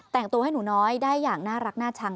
แต่งตัวให้หนูน้อยได้อย่างน่ารักน่าชัง